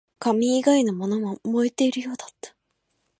紙以外のものも燃えているようだった